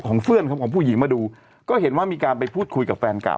เพื่อนครับของผู้หญิงมาดูก็เห็นว่ามีการไปพูดคุยกับแฟนเก่า